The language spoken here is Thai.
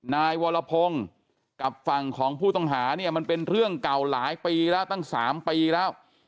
นายวรพงศ์กับฝั่งของผู้ต้องหาเนี่ยมันเป็นเรื่องเก่าหลายปีแล้วตั้ง๓ปีแล้ว